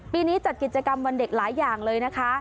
นี้จัดกิจกรรมวันเด็กหลายอย่างเลยนะคะ